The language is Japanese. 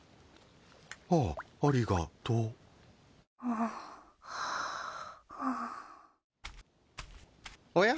あっありがとう。おや？